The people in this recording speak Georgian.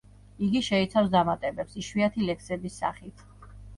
იგი შეიცავს დამატებებს, იშვიათი ლექსების სახით.